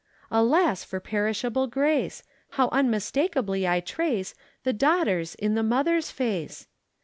Alas for perishable grace! How unmistakably I trace The daughter's in the mother's face.